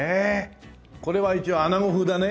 これは一応穴子風だね。